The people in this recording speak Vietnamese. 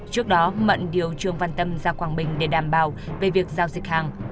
trước đó mận điều trường văn tâm ra quảng bình để đảm bảo về việc giao dịch hàng